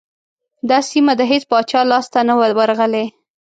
دا سیمه د هیڅ پاچا لاسته نه وه ورغلې.